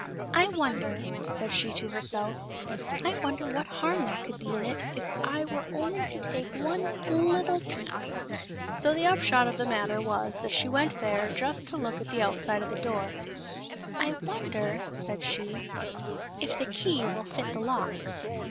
" I wonder," said she to herself —" I wonder what harm there could be in it if I were only to take one little peep ?" So the upshot of the matter was that she went there just to look at the outside of the door. " I wonder," said she, " if the key will fit the lock?"